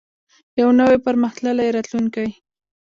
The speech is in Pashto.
یو نوی او پرمختللی راتلونکی.